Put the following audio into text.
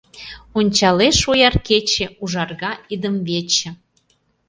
Ончалеш ояр кече, Ужарга идымвече.